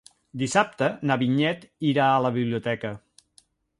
Dissabte na Vinyet irà a la biblioteca.